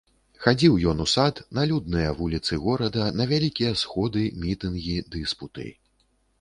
Хадзіў ён у сад, на людныя вуліцы горада, на вялікія сходы, мітынгі, дыспуты.